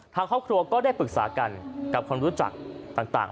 ทางครอบครัวก็ได้ปรึกษากันกับคนรู้จักต่าง